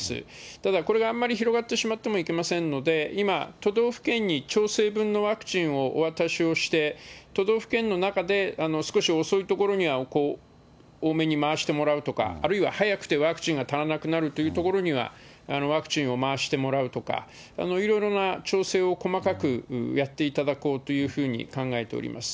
ただ、これがあんまり広がってしまってもいけませんので、今、都道府県に調整分のワクチンをお渡しをして、都道府県の中で少し遅い所には多めに回してもらうとか、あるいは速くてワクチンが足らなくなるという所には、ワクチンを回してもらうとか、いろいろな調整を細かくやっていただこうというふうに考えております。